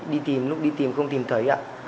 đi tìm lúc đi tìm không tìm thấy ạ